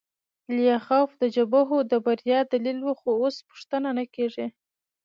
لیاخوف د جبهو د بریا دلیل و خو اوس پوښتنه نه کیږي